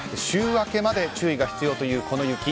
週明けまで注意が必要という雪。